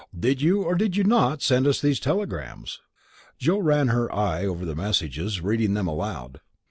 "Did you or did you not send us those telegrams?" Joe ran her eye over the messages, reading them aloud.